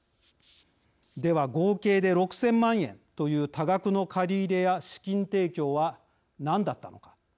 では合計で６，０００万円という多額の借り入れや資金提供は何だったのか。